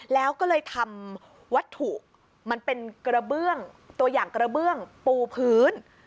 แล้วก็เลยทำวัตถุมันเป็นกระเบื้องตัวอย่างกระเบื้องปูพื้น